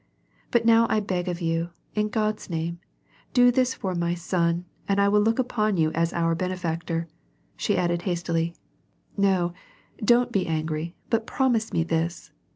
But now I beg of you, in Gk)d's name, do this for my son and I will look upon you as our benefactor." She added hastily, " No, don't be angry, but promise me this.